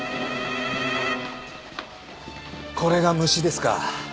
これが虫ですか。